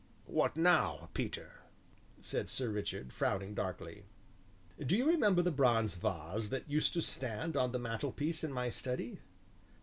"What now, Peter?" said Sir Richard, frowning darkly. "Do you remember the bronze vase that used to stand on the mantelpiece in my study?"